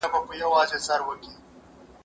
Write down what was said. زه مخکي کتابونه ليکلي وو!.